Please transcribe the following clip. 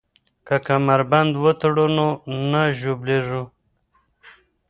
که کمربند وتړو نو نه ژوبلیږو.